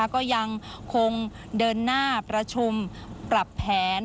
ก็ยังคงเดินหน้าประชุมปรับแผน